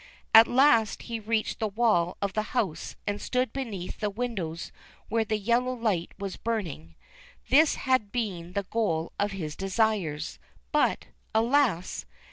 At last, he reached the wall of the house and stood beneath the windows where the yellow light was burn ing. This had been the goal of his desires ; but, alas